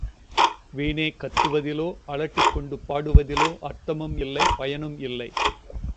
வீணே கத்துவதிலோ, அலட்டிக் கொண்டு பாடுவதிலோ அர்த்தமுமில்லை பயனுமில்லை.